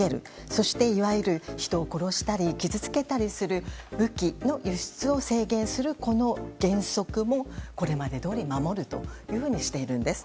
そして、いわゆる人を殺したり傷つけたりする武器の輸出を制限するこの原則も、これまでどおり守るとしているんです。